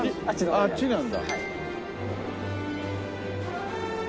あっちなんだ。